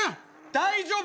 大丈夫？